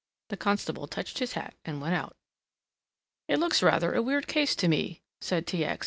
The constable touched his hat and went out. "It looks rather a weird case to me," said T. X.